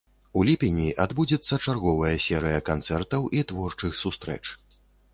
У ліпені адбудзецца чарговая серыя канцэртаў і творчых сустрэч.